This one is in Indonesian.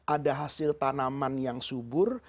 ada hasil tanaman yang subur